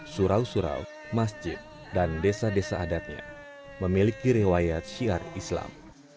surau surau masjid dan desa desa adatnya memiliki rewayat syiar islam